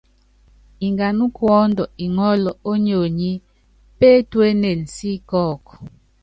Ngana kuɔ́ndu iŋɔ́lɔ ónyonyí, pétuénen sí kɔkɔ.